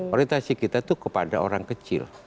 orientasi kita itu kepada orang kecil